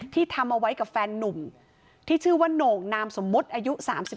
ทำเอาไว้กับแฟนนุ่มที่ชื่อว่าโหน่งนามสมมุติอายุ๓๒